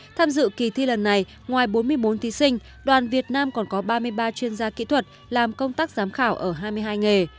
tham dự kỳ thi lần này ngoài bốn mươi bốn thí sinh đoàn việt nam còn có ba mươi ba chuyên gia kỹ thuật làm công tác giám khảo ở hai mươi hai nghề